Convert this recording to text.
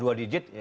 di bawah dua digit